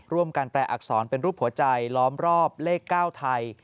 การแปลอักษรเป็นรูปหัวใจล้อมรอบเลข๙ไทย